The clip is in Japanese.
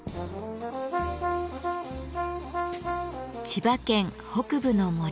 千葉県北部の森。